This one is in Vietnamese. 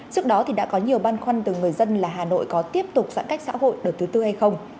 trước đó thì đã có nhiều băn khoăn từ người dân là hà nội có tiếp tục giãn cách xã hội đợt thứ tư hay không